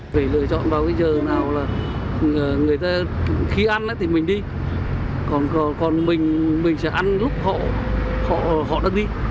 phải lựa chọn vào cái giờ nào là người ta khi ăn thì mình đi còn mình mình sẽ ăn lúc họ đã đi